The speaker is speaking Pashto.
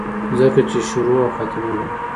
ځکه چې شورو او خاتمه لري